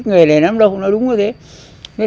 nghề này năm đầu cũng nói đúng rồi đấy